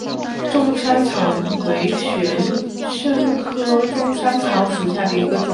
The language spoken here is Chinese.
钟山草为玄参科钟山草属下的一个种。